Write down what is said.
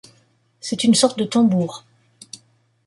C'est une sorte de tambour.